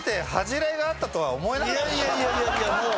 いやいやいやいやいやもう。